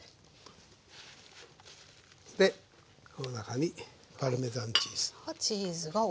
でこの中にパルメザンチーズ。